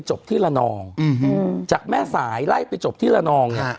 จากแม่สายไล่ไปจบที่ละนอง